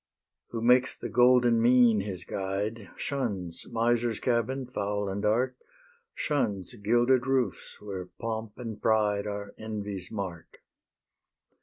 Who makes the golden mean his guide, Shuns miser's cabin, foul and dark, Shuns gilded roofs, where pomp and pride Are envy's mark.